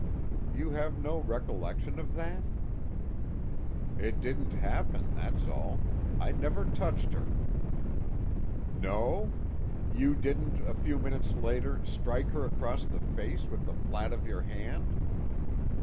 "You have no recollection of that?" "It didn't happen, that's all. I never touched her." "No? You didn't, a few minutes later, strike her across the face with the flat of your hand?"